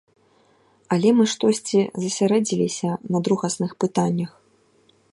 Але мы штосьці засярэдзіліся на другасных пытаннях.